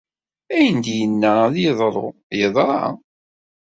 Ayen ay d-yenna ad yeḍru, yeḍra.